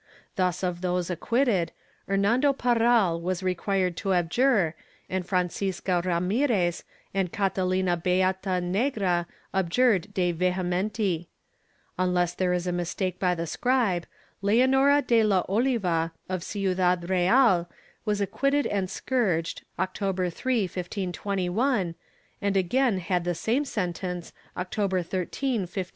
Thus of those acquitted, Hernando Parral was required to abjure, and Francisca Ramirez and Cata lina beata negra abjured de vehementi. Unless there is a mistake by the scribe, Leonora de la OHva of Ciudad Real was acquitted and scourged, October 3, 1521, and again had the same sentence October 13, 1530.